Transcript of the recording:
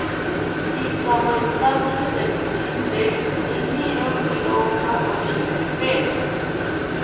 Ikamaetaki rentzite, iniro iraka oshekipero